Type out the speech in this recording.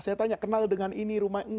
saya tanya kenal dengan ini rumah